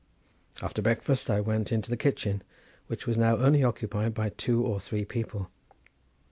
After breakfast I went into the kitchen, which was now only occupied by two or three people.